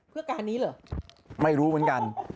เพื่อการนี้เหรอไม่รู้เหมือนกัน